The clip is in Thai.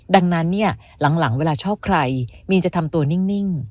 ดังนั้นเนี่ยหลังเวลาชอบใครมีจะทำตัวนิ่ง